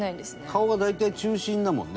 顔は大体中心だもんね。